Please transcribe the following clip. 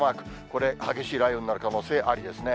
これ、激しい雷雨になる可能性ありですね。